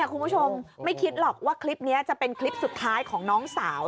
คุณผู้ชมไม่คิดหรอกว่าคลิปนี้จะเป็นคลิปสุดท้ายของน้องสาว